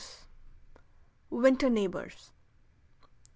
WINTER NEIGHBORS.